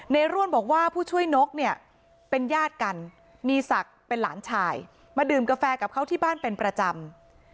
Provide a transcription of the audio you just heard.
ร่วนบอกว่าผู้ช่วยนกเนี่ยเป็นญาติกันมีศักดิ์เป็นหลานชายมาดื่มกาแฟกับเขาที่บ้านเป็นประจำ